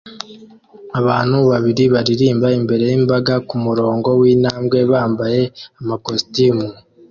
Abantu babiri baririmbira imbere yimbaga kumurongo wintambwe bambaye amakositimu